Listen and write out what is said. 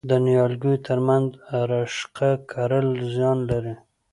د نیالګیو ترمنځ رشقه کرل زیان لري؟